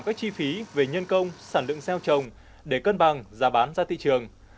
các chi phí về nhân công sản lượng xeo trồng để cân bằng giá bán ra thị trường